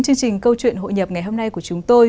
chương trình câu chuyện hội nhập ngày hôm nay của chúng tôi